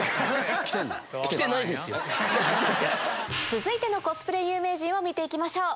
続いてのコスプレ有名人を見て行きましょう。